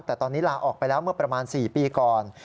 แต่ตอนนี้ลาออกไปแล้วเมื่อประมาณ๔ปีก่อน